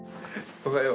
おはよう。